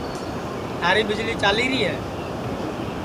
تھاری ٻیجݪی چالیری ہے